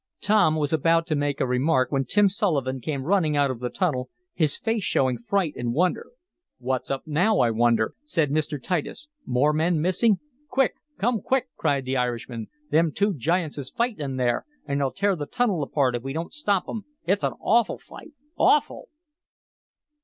Tom was about to make a remark when Tim Sullivan came running out of the tunnel, his face showing fright and wonder. "What's up now, I wonder," said Mr. Titus. "More men missing?" "Quick! Come quick!" cried the Irishman. "Thim two giants is fightin' in there, an' they'll tear th' tunnel apart if we don't stop 'em. It's an awful fight! Awful!"